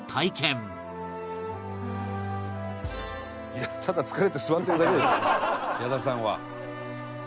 「いやただ疲れて座ってるだけでしょ矢田さんは」